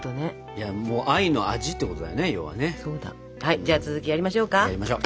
じゃあ続きやりましょうか。